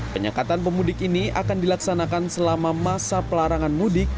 penyekatan pemudik ini akan dilaksanakan selama masa pelarangan mudik